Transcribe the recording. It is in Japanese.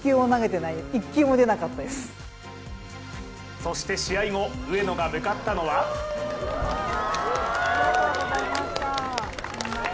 そして試合後上野が向かったのはありがとうございました。